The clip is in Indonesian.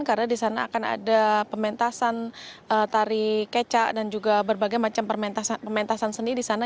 karena di sana akan ada pementasan tari keca dan juga berbagai macam pementasan seni di sana